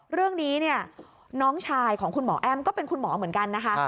เรื่องนี้เนี่ยน้องชายของคุณหมอแอ้มก็เป็นคุณหมอเหมือนกันนะคะ